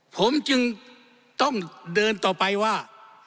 ผมจึงต้องเดินต่อไปว่า